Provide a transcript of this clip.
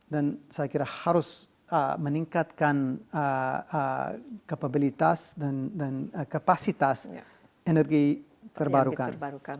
dan saya kira harus meningkatkan kapabilitas dan kapasitas energi terbarukan